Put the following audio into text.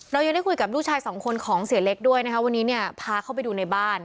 เรายังได้คุยกับลูกชายสองคนของเสียเล็กด้วยนะคะวันนี้เนี่ยพาเข้าไปดูในบ้าน